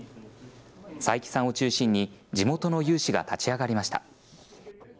斎木さんを中心に、地元の有志が立ち上がりました。